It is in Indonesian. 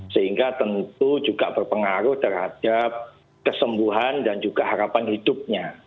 sehingga tentu juga berpengaruh terhadap kesembuhan dan juga harapan hidupnya